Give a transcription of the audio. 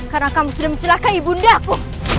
karena kamu sudah menjelakai bundaku